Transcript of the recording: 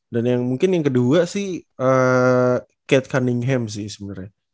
dan yang mungkin yang kedua sih kate cunningham sih sebenernya